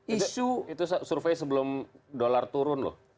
itu survei sebelum dolar turun loh